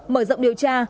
mở rộng điều tra